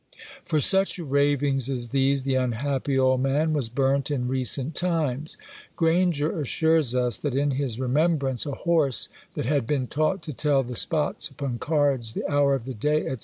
For such ravings as these the unhappy old man was burnt in recent times. Granger assures us, that in his remembrance a horse that had been taught to tell the spots upon cards, the hour of the day, &c.